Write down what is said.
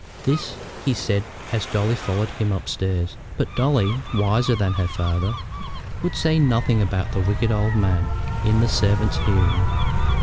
This he said as Dolly followed him upstairs; but Dolly, wiser than her father, would say nothing about the wicked old man in the servants' hearing.